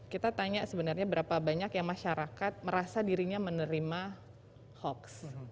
kita tanya sebenarnya berapa banyak yang masyarakat merasa dirinya menerima hoax